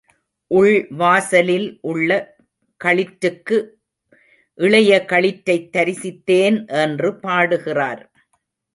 உள் வாசலில் உள்ள களிற்றுக்கு இளைய களிற்றைத் தரிசித்தேன் என்று பாடுகிறார்.